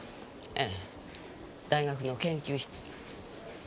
えぇ大学の研究室に。